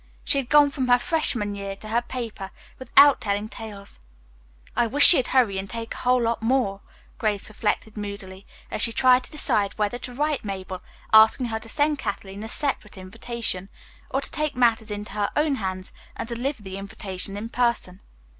She had gone from her freshman year to her paper without telling tales. "I wish she'd hurry and take a whole lot more," Grace reflected moodily, as she tried to decide whether to write Mabel, asking her to send Kathleen a separate invitation, or to take matters into her own hands and deliver the invitation in person.